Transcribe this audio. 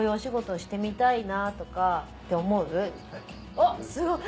おっすごい！